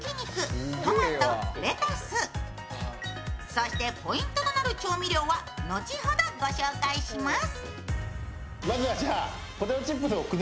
そして、ポイントとなる調味料はのちほどご紹介します。